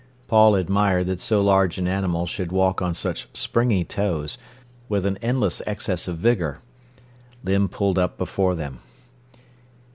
Paul admired that so large an animal should walk on such springy toes, with an endless excess of vigour. Limb pulled up before them.